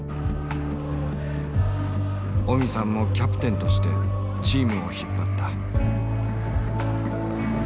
オミさんもキャプテンとしてチームを引っ張った。